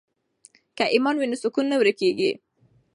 که ایمان وي نو سکون نه ورکیږي.